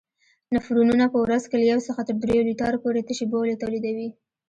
نفرونونه په ورځ کې له یو څخه تر دریو لیترو پورې تشې بولې تولیدوي.